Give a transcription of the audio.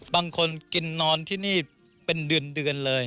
บางคนกินนอนที่นี่เป็นเดือนเลย